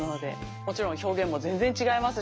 もちろん表現も全然違いますし。